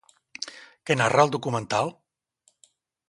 Què narra el documental?